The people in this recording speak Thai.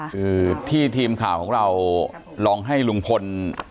คือที่ทีมข่าวของเราลองให้ลุงพล